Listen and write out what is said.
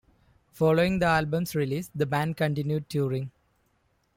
Following the album's release the band continued touring.